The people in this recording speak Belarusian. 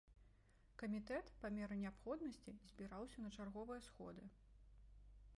Камітэт па меры неабходнасці збіраўся на чарговыя сходы.